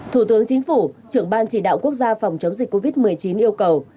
thủ tướng chính phủ trưởng ban chỉ đạo quốc gia phòng chống dịch covid một mươi chín yêu cầu